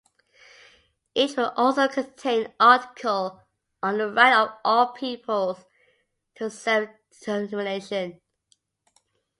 Each would also contain an article on the right of all peoples to self-determination.